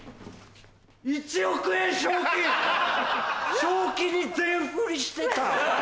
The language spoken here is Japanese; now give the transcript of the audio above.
１億円賞金⁉賞金に全振りしてた！